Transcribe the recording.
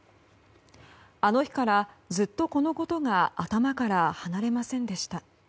あの日から、ずっとこのことが頭から離れませんでした。